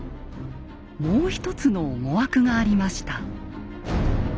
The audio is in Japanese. もう一つの思惑がありました。